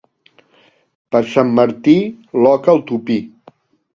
Per Sant Martí, l'oca al tupí.